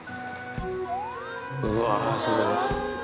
うわぁ、すごい。